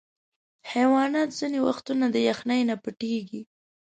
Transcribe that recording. حیوانات ځینې وختونه د یخني نه پټیږي.